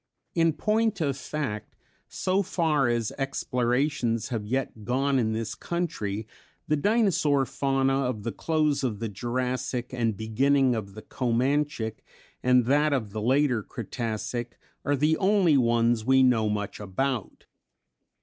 In point of fact so far as explorations have yet gone in this country, the Dinosaur fauna of the close of the Jurassic and beginning of the Comanchic and that of the later Cretacic are the only ones we know much about.